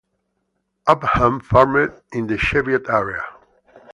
Upham farmed in the Cheviot area.